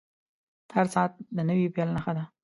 • هر ساعت د نوې پیل نښه ده.